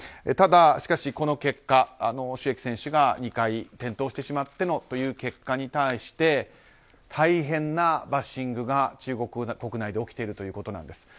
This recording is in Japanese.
ただ、この結果シュ・エキ選手が２回転倒してしまってのという結果に対して大変なバッシングが、中国国内で起きているということです。